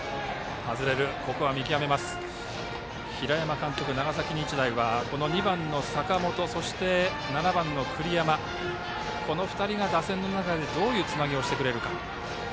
平山監督、長崎日大は２番の坂本、７番の栗山この２人が打線の中でどういうつながりをしてくれるか。